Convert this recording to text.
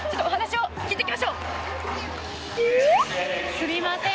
すみません。